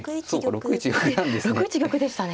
６一玉でしたね。